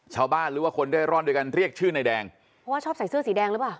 ชาวบ้านหรือว่าคนเร่ร่อนด้วยกันเรียกชื่อนายแดงเพราะว่าชอบใส่เสื้อสีแดงหรือเปล่า